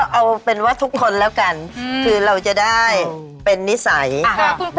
เอาเป็นว่าทุกคนแล้วกันคือเราจะได้เป็นนิสัยครับ